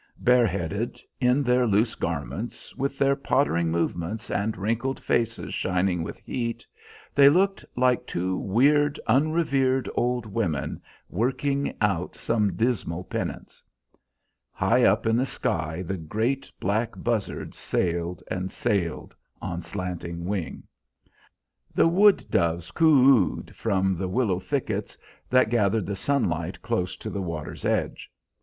Bare headed, in their loose garments, with their pottering movements and wrinkled faces shining with heat, they looked like two weird, unrevered old women working out some dismal penance. High up in the sky the great black buzzards sailed and sailed on slanting wing; the wood doves coo oo ed from the willow thickets that gathered the sunlight close to the water's edge.